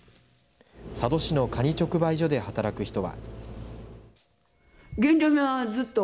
佐渡市のかに直売所で働く人は。